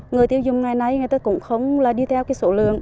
người tiêu dùng ngày nay người ta cũng không đi theo số lượng